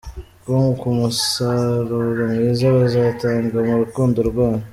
com ku musaruro mwiza bizatanga mu rukundo rwanyu.